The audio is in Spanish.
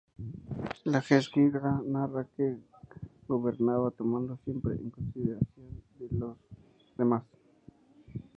La "Heimskringla" narra que gobernaba tomando siempre en consideración a los demás.